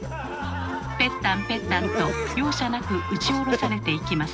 ペッタンペッタンと容赦なく打ち下ろされていきます。